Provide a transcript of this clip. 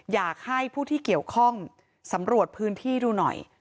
อยากให้ผู้ที่เกี่ยวข้องสำรวจพื้นที่ดูหน่อย